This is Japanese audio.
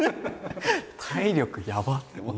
体力やばっ！って思って。